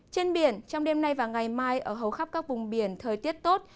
trên biển trong đêm nay và ngày mai ở hầu khắp các vùng biển thời tiết tốt